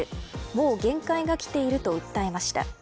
もう限界がきていると訴えました。